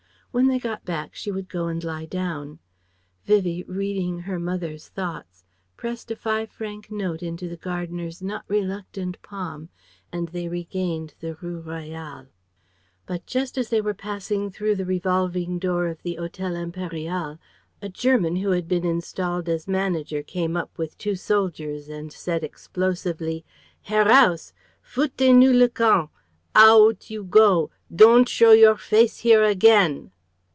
When they got back she would go and lie down. Vivie, reading her mother's thoughts, pressed a five franc note into the gardener's not reluctant palm, and they regained the Rue Royale. But just as they were passing through the revolving door of the Hotel Impérial, a German who had been installed as manager came up with two soldiers and said explosively: "Heraus! Foutez nous le camp! Aout you go! Don't show your face here again!"